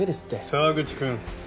沢口くん。